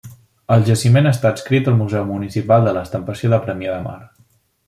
El jaciment està adscrit al Museu Municipal de l'Estampació de Premià de Mar.